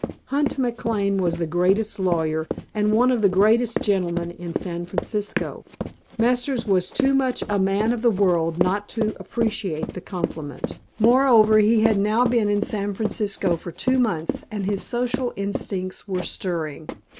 Hunt McLane was the greatest lawyer and one of the greatest gentlemen in San Francisco. Masters was too much a man of the world not to appreciate the compliment; moreover, he had now been in San Francisco for two months and his social instincts were stirring.